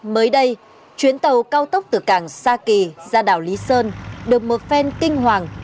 mới đây chuyến tàu cao tốc từ cảng sa kỳ ra đảo lý sơn được một phen kinh hoàng